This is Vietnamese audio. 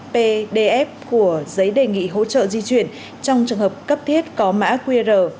pdf của giấy đề nghị hỗ trợ di chuyển trong trường hợp cấp thiết có mã qr